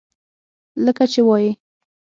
لکه چې وائي: